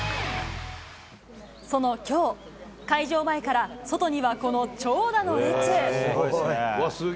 そのきょう、開場前から外には、この長蛇の列。